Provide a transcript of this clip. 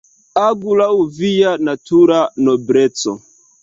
Agu laŭ via natura nobleco.